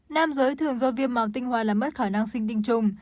nam giới thường do viêm màu tinh hoa làm mất khả năng sinh tinh trùng